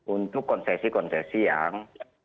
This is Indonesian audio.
untuk konsesi konsesi yang